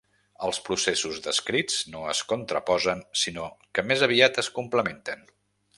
Els processos descrits no es contraposen sinó que més aviat es complementen.